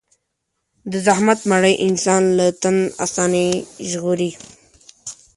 د زحمت مړۍ انسان له تن آساني نه ژغوري.